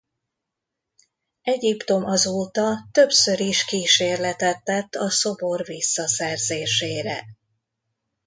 Egyiptom azóta többször is kísérletet tett a szobor visszaszerzésére.